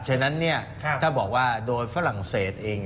ฉะนั้นถ้าบอกว่าโดยฝรั่งเศสเอง